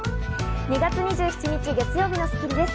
２月２７日、月曜日の『スッキリ』です。